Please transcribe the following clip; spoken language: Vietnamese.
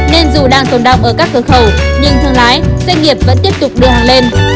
nên dù đang tồn động ở các cửa khẩu nhưng thương lái doanh nghiệp vẫn tiếp tục đưa hàng lên